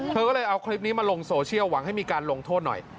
เธอก็เลยเอาคลิปนี้มาลงโซเชียลหวังให้มีการลงโทษหน่อย